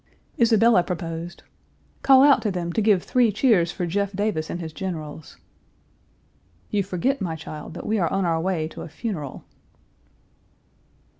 Isabella proposed, "Call out to Page 316 them to give three cheers for Jeff Davis and his generals." "You forget, my child, that we are on our way to a funeral."